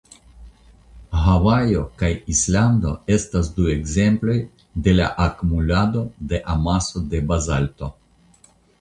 Havajo kaj Islando estas du ekzemploj de la akumulado de amaso de bazalto.